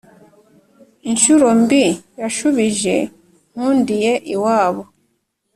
Inshyuro mbi yashubije Nkundiye iwabo.